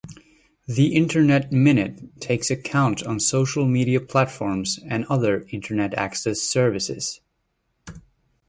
The internet minute takes account on social media platforms and other Internet access services.